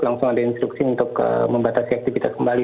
langsung ada instruksi untuk membatasi aktivitas kembali